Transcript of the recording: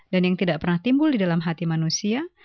dan yang tidak pernah timbul di dalam hati manusia